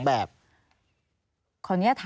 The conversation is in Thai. อ้าว